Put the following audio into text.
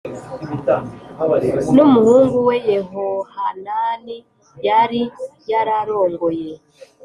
n umuhungu we Yehohanani yari yararongoye